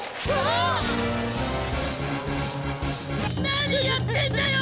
何やってんだよ！